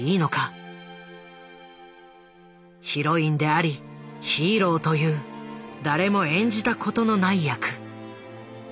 ヒロインでありヒーローという誰も演じたことのない役。